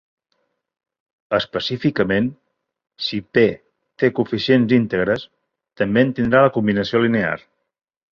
Específicament, si "P" té coeficients íntegres, també en tindrà la combinació linear.